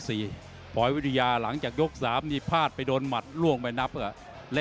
อันนี้ก็เหลือยกเดียวเหลือมากเลยนะครับมั่นใจว่าจะได้แชมป์ไปพลาดโดนในยกที่สามครับเจอหุ้กขวาตามสัญชาตยานหล่นเลยครับ